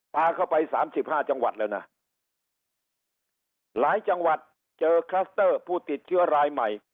พาเข้าไปสามสิบห้าจังหวัดแล้วนะหลายจังหวัดเจอคลัสเตอร์ผู้ติดเชื้อรายใหม่